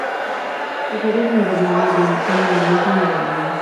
Sus áreas de invernada son Indonesia y Nueva Guinea.